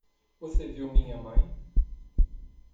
Você viu minha mãe?